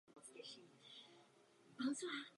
Nyní přistoupíme k dnešnímu vysvětlení hlasování.